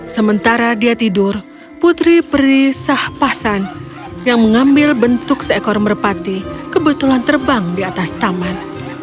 sementara dia tidur putri peri sahpasan yang mengambil bentuk seekor merpati kebetulan terbang di atas taman